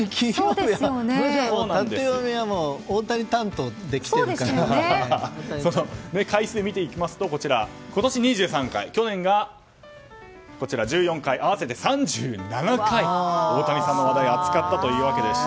私はタテヨミは大谷担当できてるから。回数を見ていきますと今年２３回去年が１４回、合わせて３７回大谷さんの話題を扱いました。